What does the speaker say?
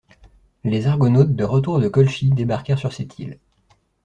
Les Argonautes, de retour de Colchis, débarquèrent sur cette île.